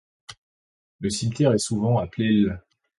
Le cimetière est souvent appelé l'.